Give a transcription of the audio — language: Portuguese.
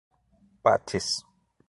Patis